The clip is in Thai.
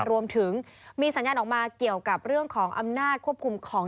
รวมถึงมีสัญญาณออกมาเกี่ยวกับเรื่องของอำนาจควบคุมของ